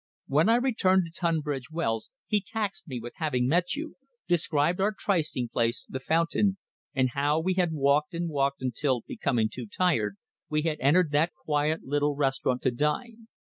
When I returned to Tunbridge Wells he taxed me with having met you, described our trysting place the fountain and how we had walked and walked until, becoming too tired, we had entered that quiet little restaurant to dine.